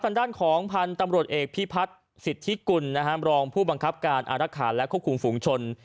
ทางด้านของผันตำรวจเอกพี่พัทธ์ศิษฐิกุลรองผู้บังคับการอาระขาดและควบคุมฝูงชน